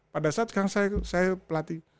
pada saat saya pelatih